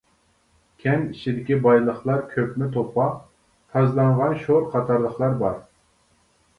كەنت ئىچىدىكى بايلىقلار كۆپمە توپا، تازىلانغان شور قاتارلىقلار بار.